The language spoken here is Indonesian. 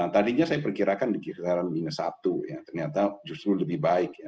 tadinya saya perkirakan di kisaran minus satu ya ternyata justru lebih baik ya